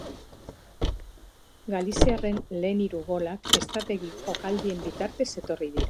Galiziarren lehen hiru golak estrategi jokaldien bitartez etorri dira.